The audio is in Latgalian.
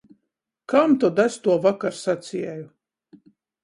Kam tod es tuo vakar saceju??